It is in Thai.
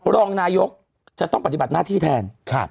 รองนายกจะต้องปฏิบัติหน้าที่แทน